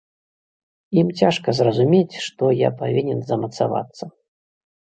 Ім цяжка зразумець, што я павінен замацавацца.